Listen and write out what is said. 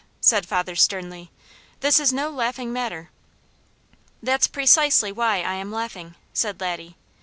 said father sternly. "This is no laughing matter." "That's precisely why I am laughing," said Laddie.